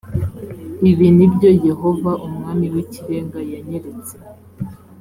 ibi ni byo yehova umwami w ikirenga yanyeretse